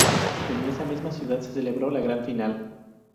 En esa misma ciudad, se celebró la gran final.